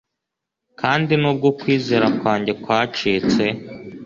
Kandi nubwo kwizera kwanjye kwacitse